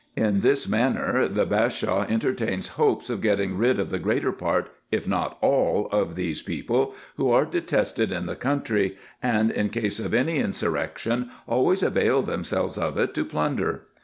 In this manner the Bashaw entertains hopes of getting rid of the greater part, if not all, of these people, who are detested in the coun try, and, in case of any insurrection, always avail themselves of it to plunder.